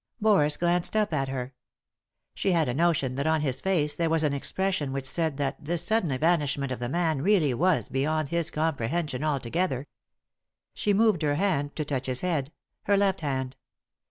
Boris glanced up at her. She had a notion that on his face there was an expression which said that this sudden evanishment of the man really was beyond his comprehension altogether. She moved her hand to touch his head— her left hand.